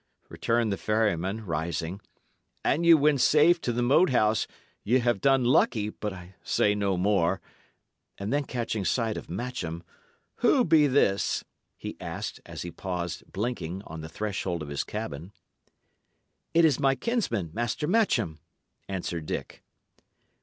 returned the ferryman, rising. "An ye win safe to the Moat House, y' have done lucky; but I say no more." And then catching sight of Matcham, "Who be this?" he asked, as he paused, blinking, on the threshold of his cabin. "It is my kinsman, Master Matcham," answered Dick.